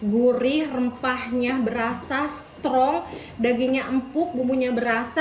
gurih rempahnya berasa strong dagingnya empuk bumbunya berasa